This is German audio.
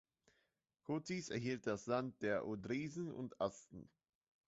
Kotys erhielt das Land der Odrysen und Asten.